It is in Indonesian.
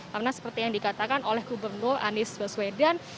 karena seperti yang dikatakan oleh gubernur anies baswedan